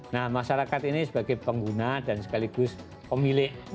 nah masyarakat ini sebagai pengguna dan sekaligus pemilik